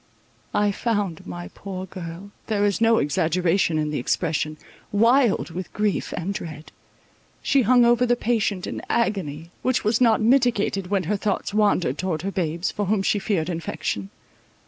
I found my poor girl, there is no exaggeration in the expression, wild with grief and dread. She hung over the patient in agony, which was not mitigated when her thoughts wandered towards her babes, for whom she feared infection.